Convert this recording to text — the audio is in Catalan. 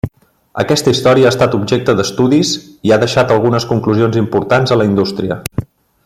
Aquesta història ha estat objecte d'estudis i ha deixat algunes conclusions importants a la indústria.